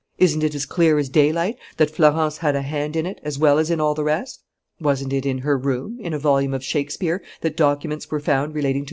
Isn't it as clear as daylight that Florence had a hand in it, as well as in all the rest? "Wasn't it in her room, in a volume of Shakespeare, that documents were found relating to M.